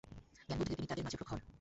জ্ঞানবুদ্ধিতে তিনি তাদের মাঝে প্রখর।